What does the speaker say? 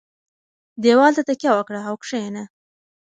دېوال ته تکیه وکړه او کښېنه.